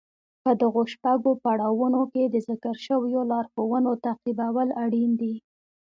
په دغو شپږو پړاوونو کې د ذکر شويو لارښوونو تعقيبول اړين دي.